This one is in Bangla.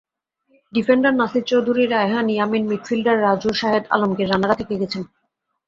ডিফেন্ডার নাসির চৌধুরী, রায়হান, ইয়ামিন, মিডফিল্ডার রাজু, শাহেদ, আলমগীর রানারা থেকে গেছেন।